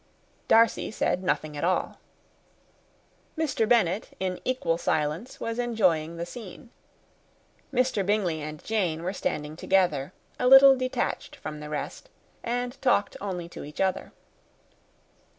Darcy said nothing at all. Mr. Bennet, in equal silence, was enjoying the scene. Mr. Bingley and Jane were standing together a little detached from the rest, and talked only to each other.